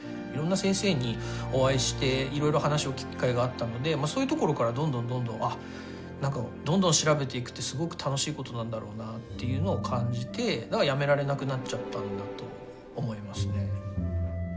いろんな先生にお会いしていろいろ話を聞く機会があったのでそういうところからどんどんどんどんあっ何かどんどん調べていくってすごく楽しいことなんだろうなっていうのを感じてやめられなくなっちゃったんだと思いますね。